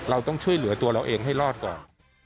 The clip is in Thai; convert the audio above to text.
เราต้องช่วยเหลือตัวเราเองให้รอดก่อน